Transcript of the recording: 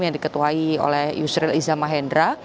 yang diketuai oleh yusril iza mahendra